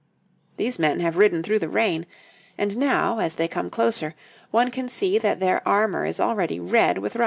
These men have ridden through the rain, and now, as they come closer, one can see that their armour is already red with rust.